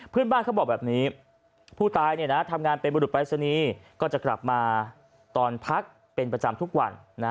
พื้นบ้านเขาบอกแบบนี้ผู้ตายเนี่ยนะทำงานเป็นบริษณีย์ก็จะกลับมาตอนพักเป็นประจำทุกวันนะ